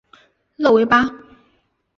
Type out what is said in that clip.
勒维巴。